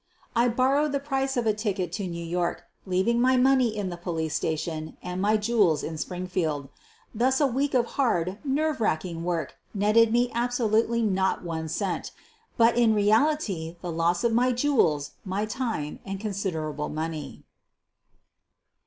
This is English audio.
I borrowed the price of a ticket to New York, leaving my money in the police station and my jewels at Springfield. Thus a week of hard, nerve wrecking work netted me absolutely not one cent, but in reality the loss of my jewels, my time, and considerable money.